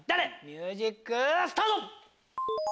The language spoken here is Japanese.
ミュージックスタート！